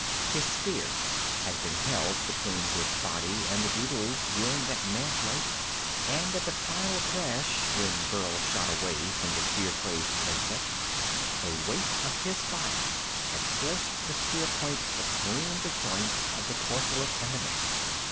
His spear had been held between his body and the beetle's during that mad flight, and at the final crash, when Burl shot away from the fear crazed insect, the weight of his body had forced the spearpoint between the joints of the corselet and the neck.